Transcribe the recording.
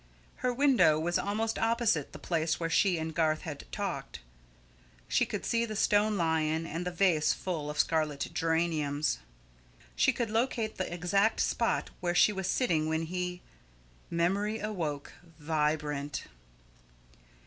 Her window was almost opposite the place where she and Garth had talked. She could see the stone lion and the vase full of scarlet geraniums. She could locate the exact spot where she was sitting when he Memory awoke, vibrant.